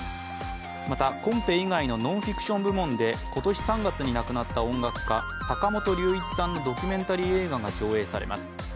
また、コンペ以外のノンフィクション部門で今年３月に亡くなった音楽家、坂本龍一さんのドキュメンタリー映画が上映されます。